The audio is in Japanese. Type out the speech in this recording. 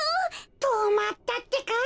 とまったってか。